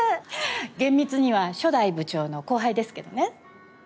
厳密には初代部長の後輩ですけどね。